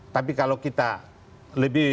tapi kalau kita lebih